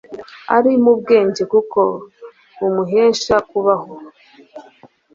Ari mubwenge kuko bumuhesha kubaho